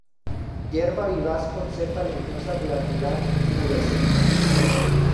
Hierba vivaz con cepa leñosa, glandular-pubescente.